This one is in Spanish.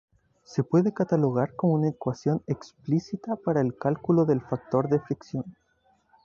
Se puede catalogar como una ecuación explícita para el cálculo del factor de fricción.